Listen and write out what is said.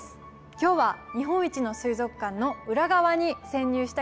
今日は日本一の水族館の裏側に潜入したいと思います。